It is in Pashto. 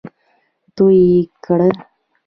تو يې کړل.